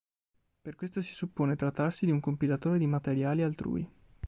Per questo si suppone trattarsi di un compilatore di materiali altrui.